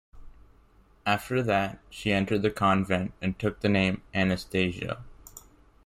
After that, she entered the convent and took the name Anastasia.